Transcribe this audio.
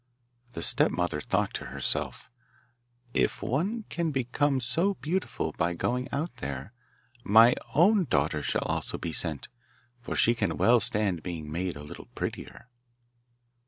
The stepmother thought to herself, 'If one can become so beautiful by going out there, my own daughter shall also be sent, for she can well stand being made a little prettier.